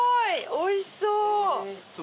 おいしそう。